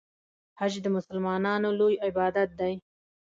حج د مسلمانانو لوی عبادت دی.